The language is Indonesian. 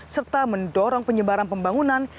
serta mendorong penyebaran pembangunan